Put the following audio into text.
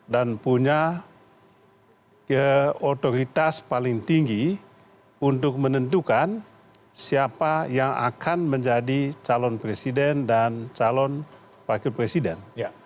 dan punya otoritas paling tinggi untuk menentukan siapa yang akan menjadi calon presiden dan calon wakil presiden